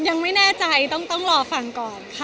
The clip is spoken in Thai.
ยังไม่แน่ใจต้องรอฟังก่อนค่ะ